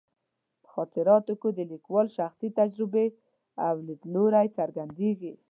په خاطراتو کې د لیکوال شخصي تجربې او لیدلوري څرګندېږي.